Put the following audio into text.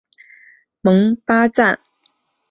蒙巴赞。